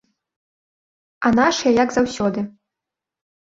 А нашыя як заўсёды.